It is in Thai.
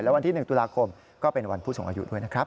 วันที่๑ตุลาคมก็เป็นวันผู้สูงอายุด้วยนะครับ